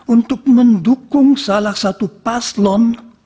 untuk mendukung salah satu paslon